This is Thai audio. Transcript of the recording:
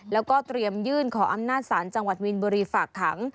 แล้วก็เตรียมยื่นขออำนาจศาลจังหวัดมีนบุรีฝากขัง